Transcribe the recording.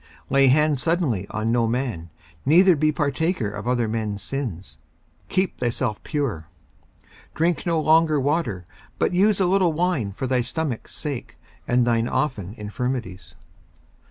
54:005:022 Lay hands suddenly on no man, neither be partaker of other men's sins: keep thyself pure. 54:005:023 Drink no longer water, but use a little wine for thy stomach's sake and thine often infirmities.